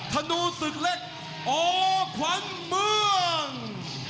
ธนูนสุดเล็กอควันเมือง